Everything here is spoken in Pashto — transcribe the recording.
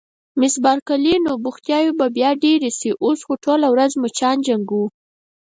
مس بارکلي: نو بوختیاوې به بیا ډېرې شي، اوس خو ټوله ورځ مچان جنګوو.